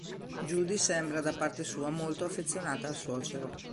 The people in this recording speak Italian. Judy sembra da parte sua molto affezionata al suocero.